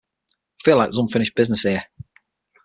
I feel like there is unfinished business here.